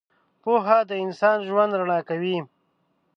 • پوهه د انسان ژوند رڼا کوي.